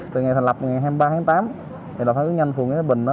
từ ngày thành lập ngày hai mươi ba tháng tám đồng phản ứng nhanh phù hợp với bệnh đó